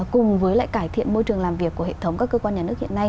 cùng với lại cải thiện môi trường làm việc của hệ thống các cơ quan nhà nước hiện nay